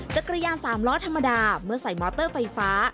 จักรยานสามล้อธรรมดาเมื่อใส่มอเตอร์ไฟฟ้า